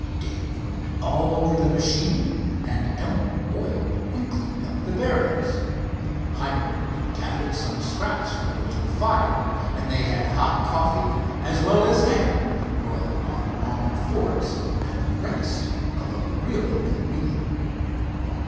Dave went all over the machine and Elmer oiled and cleaned up the bearings. Hiram gathered some scraps for a little fire, and they had hot coffee, as well as ham broiled on long forks, and the rest of a really good meal.